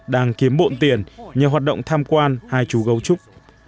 đang kiếm bộn tiền nhờ hoạt động tham quan hai chú gấu trúc